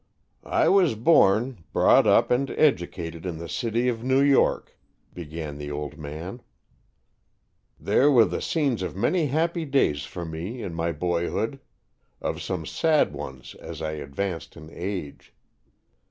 "I was born, brought up and educated in the city of New York," began the old man. "There were the scenes of many happy days for me in my boyhood; of some sad ones as I advanced in age.